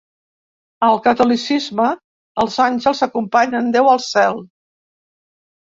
Al catolicisme els àngels acompanyen Déu al cel.